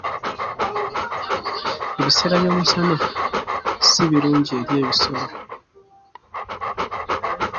Ebiseera by'omusana si birungi eri ebisolo.